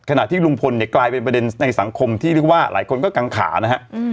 ขนาดที่ลุงพลกลายเป็นประเด็นในสังคมที่หลายคนก็กังขานะครับ